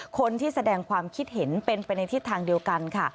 คนที่แสดงความคิดเห็นเป็นไปในทิศทางเดียวกันค่ะ